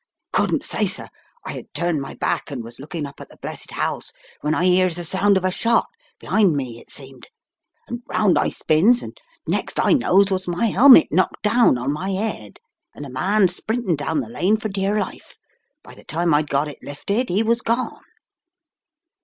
"Couldn't say, sir. I had turned my back, and was looking up at the blessed house, when I 'ears the sound of a shot, be'ind me it seemed, and round I spins, and next I knows was my helmet knocked down on my 'ead, and a man sprinting down the lane for dear life. By the time I'd got it lifted, *e was gone."